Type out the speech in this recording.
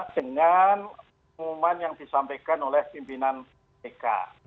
dengan pengumuman yang disampaikan oleh pimpinan pk